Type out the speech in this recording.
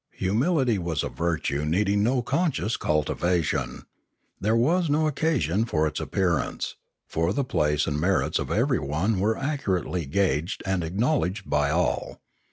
Humility was a virtue needing no conscious cultivation ; there was no occasion for its ap pearance, for the place and merits of everyone were accurately gauged and acknowledged by all.